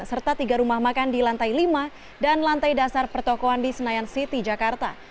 serta tiga rumah makan di lantai lima dan lantai dasar pertokohan di senayan city jakarta